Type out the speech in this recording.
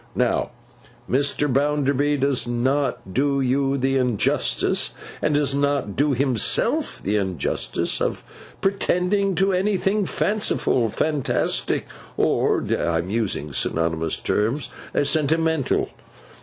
Now, Mr. Bounderby does not do you the injustice, and does not do himself the injustice, of pretending to anything fanciful, fantastic, or (I am using synonymous terms) sentimental.